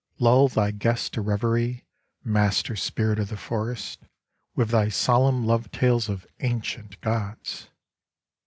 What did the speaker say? Lull thy guest to reverie, master spirit of the forest, with thy solemn love tales of ancient gods